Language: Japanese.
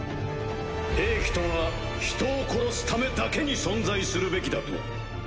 兵器とは人を殺すためだけに存在するべきだと。